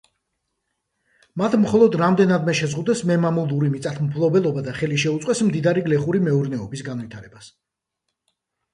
მათ მხოლოდ რამდენადმე შეზღუდეს მემამულური მიწათმფლობელობა და ხელი შეუწყვეს მდიდარი გლეხური მეურნეობის განვითარებას.